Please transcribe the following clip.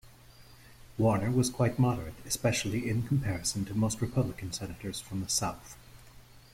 Warner was quite moderate, especially in comparison to most Republican Senators from the South.